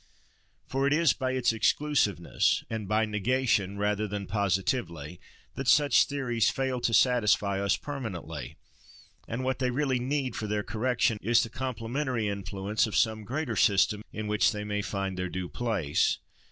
For it is by its exclusiveness, and by negation rather than positively, that such theories fail to satisfy us permanently; and what they really need for their correction, is the complementary influence of some greater system, in which they may find their due place.